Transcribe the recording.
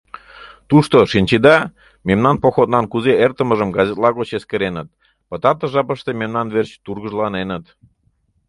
Тушто, шинчеда, мемнан походнан кузе эртымыжым газетла гоч эскереныт, пытартыш жапыште мемнан верч тургыжланеныт.